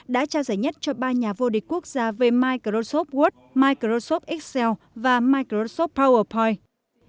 đã trao giải nhất cho ba nhà vô địch quốc gia về microsoft word microsoft excel và microsoft powerpoint